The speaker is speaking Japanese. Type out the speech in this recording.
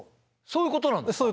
そういうことなんですか。